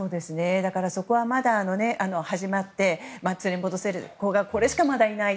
そこはまだ始まって連れ戻せる子がこれしかいない。